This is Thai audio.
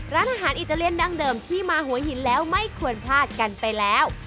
ร้านอาหารอิตาเลียนดั้งเดิมที่มาหัวหินแล้วไม่ควรพลาดกันไปแล้ว